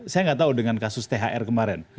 saya nggak tahu dengan kasus thr kemarin